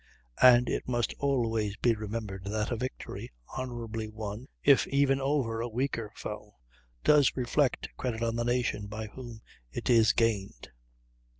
And it must always be remembered that a victory, honorably won, if even over a weaker foe, does reflect credit on the nation by whom it is gained.